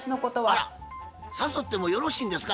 あら誘ってもよろしいんですか？